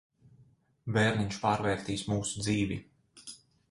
Bērniņš pārvērtīs mūsu dzīvi.